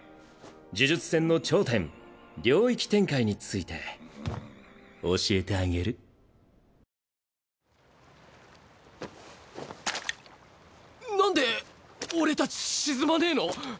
呪術戦の頂点領域展開について教えてあげるなんで俺たち沈まねぇの？